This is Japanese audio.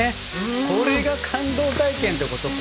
これが「感動体験」ってことか！